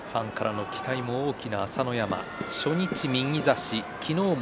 ファンからの期待も大きな朝乃山初日、右差し